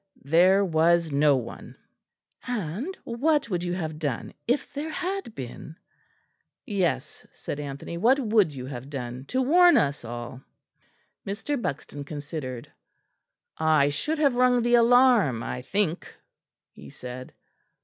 "There was no one." "And what would you have done if there had been?" "Yes," said Anthony, "what would you have done to warn us all?" Mr. Buxton considered. "I should have rung the alarm, I think," he said.